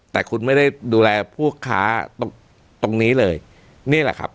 แต่คุณไม่ได้ดูแลผู้ค้าตรงตรงนี้เลยนี่แหละครับ